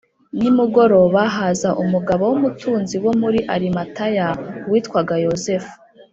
nimugoroba haza umugabo w umutunzi wo muri arimataya witwaga yozefu